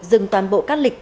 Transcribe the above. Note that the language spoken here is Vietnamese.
dừng toàn bộ các lịch